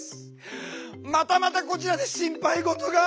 またまたこちらで心配事が。